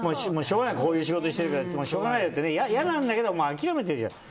こういう仕事してるからしょうがないって嫌なんだけど諦めてるじゃん。